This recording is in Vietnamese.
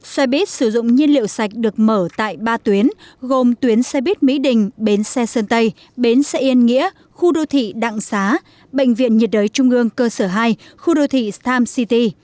xe buýt sử dụng nhiên liệu sạch được mở tại ba tuyến gồm tuyến xe buýt mỹ đình bến xe sơn tây bến xe yên nghĩa khu đô thị đặng xá bệnh viện nhiệt đới trung ương cơ sở hai khu đô thị stem city